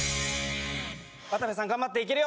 渡部さん頑張っていけるよ